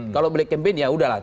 kalau black campaign ya sudah lah